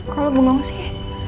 kalo bu mau sih